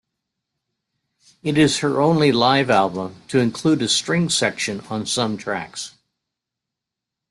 It is her only live album to include a string section on some tracks.